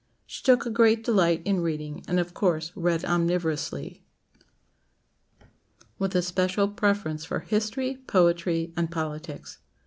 She took a great delight in reading, and, of course, read omnivorously, with a special preference for history, poetry, and politics.